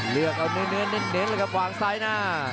เลือกเอาเนื้อแล้วก็วางซ้ายหน้า